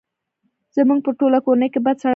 زموږ په ټوله کورنۍ کې بد سړی نه شته!